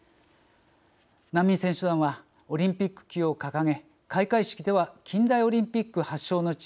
難民選手団はオリンピック旗を掲げ開会式では近代オリンピック発祥の地